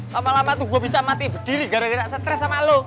lama lama tuh gue bisa mati berdiri gara gara stres sama lo